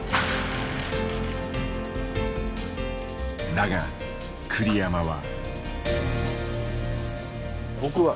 だが栗山は。